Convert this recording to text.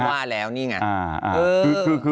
ว่าแล้วนี่ไง